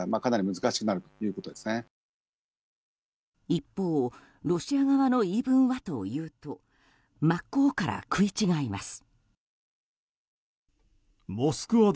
一方ロシア側の言い分はというと真っ向から食い違います。